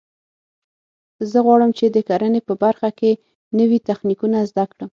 زه غواړم چې د کرنې په برخه کې نوي تخنیکونه زده کړم